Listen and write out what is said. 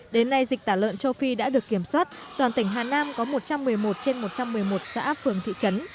đến nay dịch tả lợn châu phi đã được kiểm soát toàn tỉnh hà nam có một trăm một mươi một trên một trăm một mươi một xã phường thị trấn